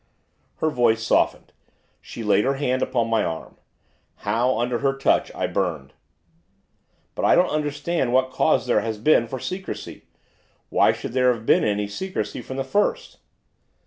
Her voice softened. She laid her hand upon my arm. How, under her touch, I burned. 'But I don't understand what cause there has been for secrecy, why should there have been any secrecy from the first?